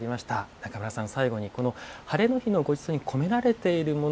中村さん、最後に「ハレの日のごちそう」に込められているもの